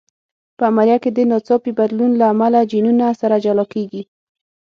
په عملیه کې د ناڅاپي بدلون له امله جینونه سره جلا کېږي.